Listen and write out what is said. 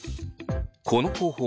この方法